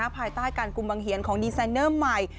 ภายใต้การกุมบังเหียนของดีไซนเนอร์ใหม่